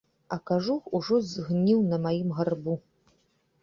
А кажух ужо згніў на маім гарбу.